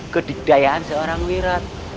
kedikdayaan seorang wirat